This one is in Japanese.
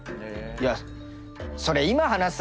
いや。